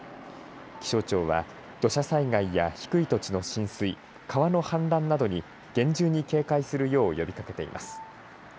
気象庁は土砂災害や低い土地の浸水川の氾濫などに厳重に警戒するよう呼びかけています。